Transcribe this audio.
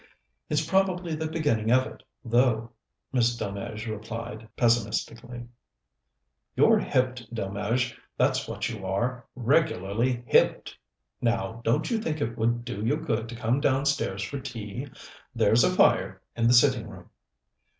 "It's probably the beginning of it, though," Miss Delmege replied pessimistically. "You're hipped, Delmege, that's what you are regularly hipped. Now, don't you think it would do you good to come downstairs for tea? There's a fire in the sitting room."